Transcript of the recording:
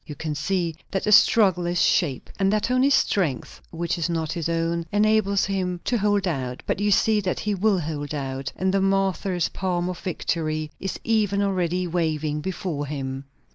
You can see that the struggle is sharp, and that only strength which is not his own enables him to hold out; but you see that he will hold out, and the martyr's palm of victory is even already waving before him."